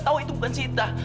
tau itu bukan sita